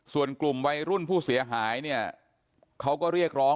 ส่ว่นกลุ่มวัยรุ่นผู้เสียหาย